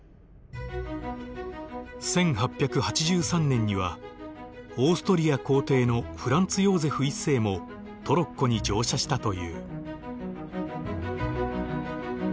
１８８３年にはオーストリア皇帝のフランツ・ヨーゼフ１世もトロッコに乗車したという。